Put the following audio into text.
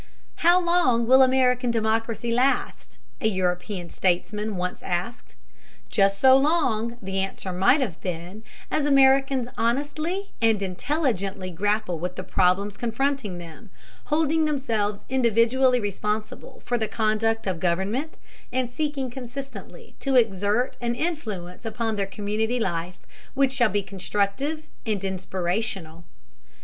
"How long will American democracy last?" a European statesman once asked. "Just so long," the answer might have been, "as Americans honestly and intelligently grapple with the problems confronting them, holding themselves individually responsible for the conduct of government, and seeking consistently to exert an influence upon their community life which shall be constructive and inspirational."